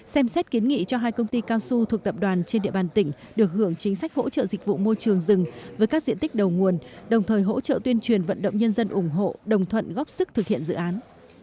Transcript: xem xét kiến nghị cho hai công ty cao su thuộc tập đoàn trên địa bàn tỉnh được hưởng chính sách hỗ trợ dịch vụ môi trường rừng với các diện tích đầu nguồn đồng thời hỗ trợ tuyên truyền vận động nhân dân ủng hộ đồng thuận góp sức thực hiện dự án